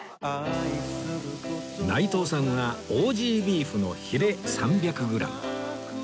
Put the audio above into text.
内藤さんがオージー・ビーフのヒレ３００グラム